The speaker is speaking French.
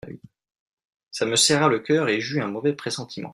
Ça me serra le cœur et j'eus un mauvais pressentiment.